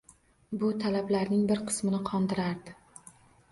Bu talablarning bir qismini qondirardi